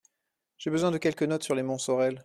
J’ai besoin de quelques notes sur les Montsorel.